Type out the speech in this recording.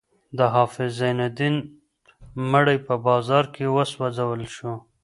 د حافظ زین الدین مړی په بازار کې وسوځول شو.